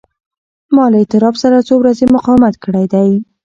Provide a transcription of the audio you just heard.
ما له اضطراب سره څو ورځې مقاومت کړی دی.